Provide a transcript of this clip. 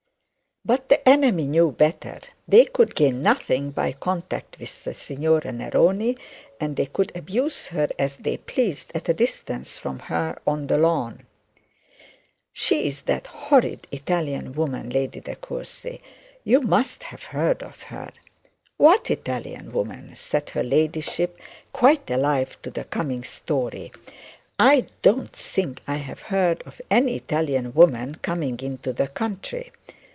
But the enemy knew better. They could gain nothing be contact with the signora Neroni, and they could abuse her as they pleased at a distance from her on the lawn. 'She's that horrid Italian woman, Lady De Courcy; you must have heard of her.' 'What Italian woman?' said her ladyship, quite alive to the coming story; 'I don't think I've heard of any Italian woman coming into the country.